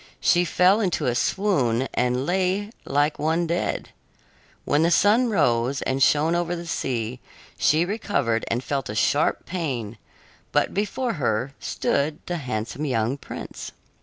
She fell into a swoon and lay like one dead. When the sun rose and shone over the sea, she recovered and felt a sharp pain, but before her stood the handsome young prince.